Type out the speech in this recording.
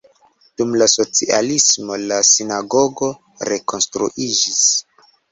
Dum la socialismo la sinagogo rekonstruiĝis.